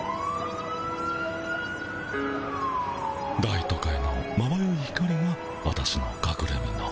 大都会のまばゆい光が私のかくれみの。